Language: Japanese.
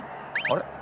あれ？